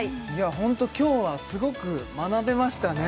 ホント今日はすごく学べましたね